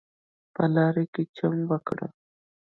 په لاره کې چم وکړ.